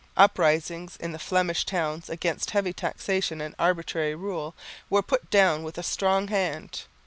Uprisings in the Flemish towns against heavy taxation and arbitrary rule were put down with a strong hand.